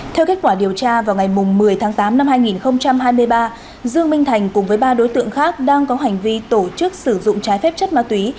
theo kết quả điều tra vào ngày một mươi tháng tám năm hai nghìn hai mươi ba dương minh thành cùng với ba đối tượng khác đang có hành vi tổ chức sử dụng trái phép chất ma túy